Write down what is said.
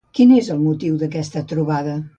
Quin és el motiu d'aquesta trobada?